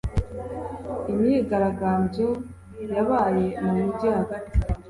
Imyigaragabyo yabaye mu mugi hagati